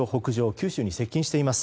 九州に接近しています。